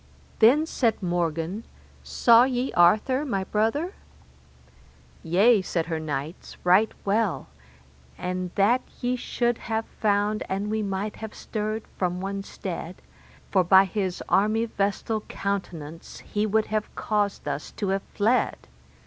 Then said Morgan, Saw ye Arthur, my brother? Yea, said her knights, right well, and that ye should have found an we might have stirred from one stead, for by his armyvestal countenance he would have caused us to have fled.